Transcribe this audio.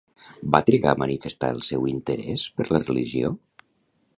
Va trigar a manifestar el seu interès per la religió?